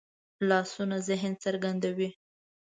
لاسونه ذهن څرګندوي